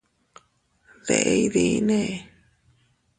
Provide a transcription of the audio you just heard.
¿Deʼe iydinne?